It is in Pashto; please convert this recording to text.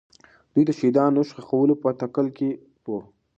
دوی د شهیدانو ښخولو په تکل کې وو.